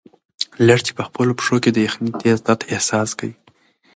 لښتې په خپلو پښو کې د یخنۍ تېز درد احساس کړ.